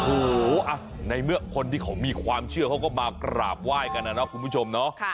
โอ้โหในเมื่อคนที่เขามีความเชื่อเขาก็มากราบไหว้กันนะนะคุณผู้ชมเนาะ